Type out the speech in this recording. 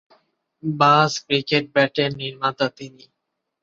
বাজ ক্রিকেট ব্যাটের নির্মাতা তিনি।